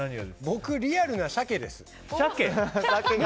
僕、リアルなシャケです。